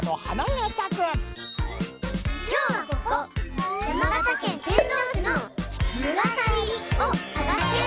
・きょうはここ山形県天童市の「むがさり」をさがして。